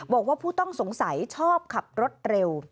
บอกว่าผู้ต้องสงสัยชอบขับรถเร็ว